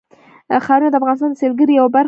ښارونه د افغانستان د سیلګرۍ یوه برخه ده.